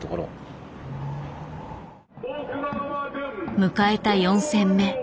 迎えた４戦目。